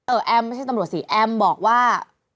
แอมไม่ใช่ตำรวจสิแอมบอกว่า